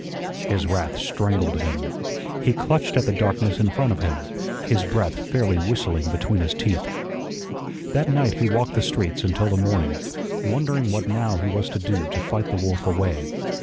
His wrath strangled him. He clutched at the darkness in front of him, his breath fairly whistling between his teeth. That night he walked the streets until the morning, wondering what now he was to do to fight the wolf away.